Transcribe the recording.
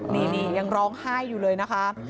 นี่ยังร้องไห้อยู่เลยนะคะ